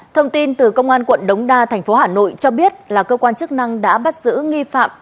thông tin từ công an quận đống đa thành phố hà nội cho biết là cơ quan chức năng đã bắt giữ nghi phạm